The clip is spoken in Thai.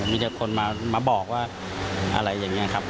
มีแต่คนมาบอกว่าอะไรอย่างนี้ครับ